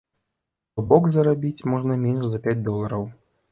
То бок зарабіць можна менш за пяць долараў.